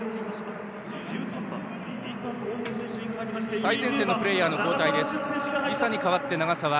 最前線のプレーヤー交代です。